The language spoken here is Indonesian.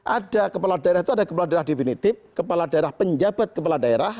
ada kepala daerah itu ada kepala daerah definitif kepala daerah penjabat kepala daerah